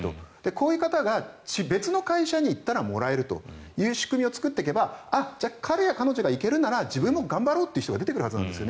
こういう方が別の会社に行ったらもらえるという仕組みを作っていったらじゃあ彼ら彼女らが行けるなら自分も頑張ろうという人が出てくるはずなんです。